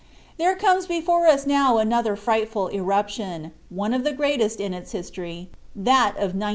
There comes before us now another frightful eruption, one of the greatest in its history, that of 1906.